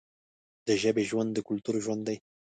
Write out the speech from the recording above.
د ژبې ژوند د کلتور ژوند دی.